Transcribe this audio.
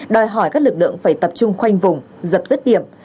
đòi hỏi các lực lượng phải tập trung khoanh vùng dập dứt điểm